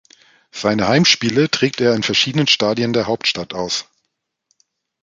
Seine Heimspiele trägt er in verschiedenen Stadien der Hauptstadt aus.